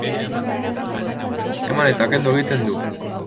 Eman eta kendu egiten du.